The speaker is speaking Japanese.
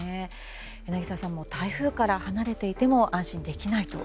柳澤さん、台風から離れていても安心できないと。